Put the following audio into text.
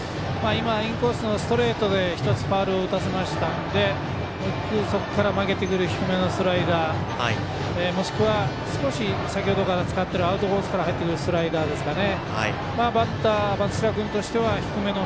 インコースのストレートで１つファウルを打たせましたのでもう１球、そこから投げてくる低めのスライダーもしくはアウトコースから入ってくるスライダーですかね。